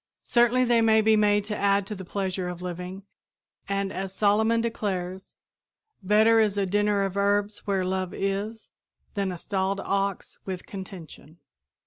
Certainly they may be made to add to the pleasure of living and, as Solomon declares, "better is a dinner of herbs where love is, than a stalled ox with contention."